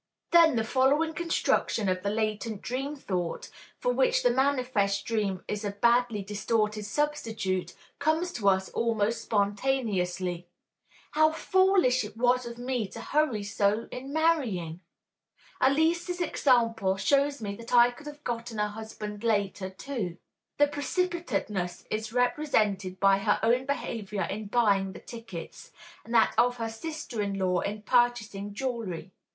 Then the following construction of the latent dream thought, for which the manifest dream is a badly distorted substitute, comes to us almost spontaneously: "How foolish it was of me to hurry so in marrying! Elise's example shows me that I could have gotten a husband later too." (The precipitateness is represented by her own behavior in buying the tickets, and that of her sister in law in purchasing jewelry.